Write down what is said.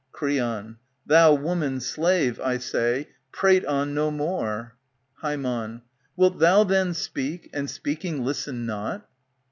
Creon. Thou woman's slave, I say, prate on no more. Hcem, Wilt thou then speak, and, speaking, listen not